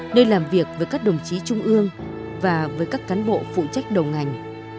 nơi làm việc với các đồng chí trung ương và với các cán bộ phụ trách đầu ngành